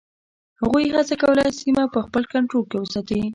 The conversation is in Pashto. هغوی هڅه کوله سیمه په خپل کنټرول کې وساتي.